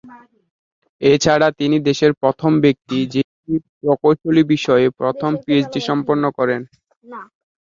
এছাড়া তিনিই দেশের প্রথম ব্যক্তি যিনি প্রকৌশলী বিষয়ে প্রথম পিএইচডি সম্পন্ন করেন।